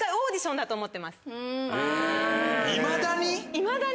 いまだに？